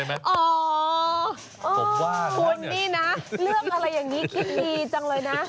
เลือกอะไรอย่างนี้คิดดีจังเลยนะ